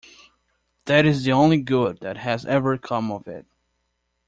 That is the only good that has ever come of it.